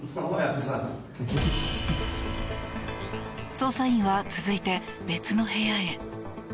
捜査員は続いて別の部屋へ。